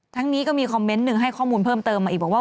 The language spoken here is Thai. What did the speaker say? นี้ก็มีคอมเมนต์หนึ่งให้ข้อมูลเพิ่มเติมมาอีกบอกว่า